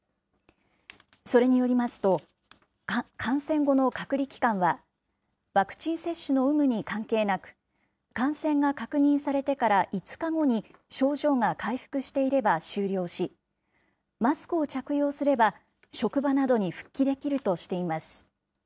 それによりますと、感染後の隔離期間は、ワクチン接種の有無に関係なく、感染が確認されてから５日後に、症状が回復していれば終了し、マスクを着用すれば、職場などに復帰できるとしています。